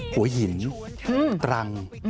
หัวหินตรัง